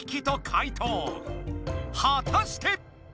はたして！